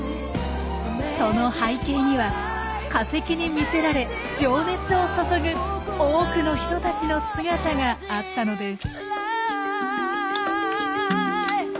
その背景には化石に魅せられ情熱を注ぐ多くの人たちの姿があったのです。